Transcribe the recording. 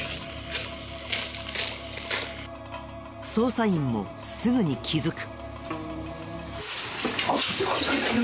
捜査員もすぐに気づく。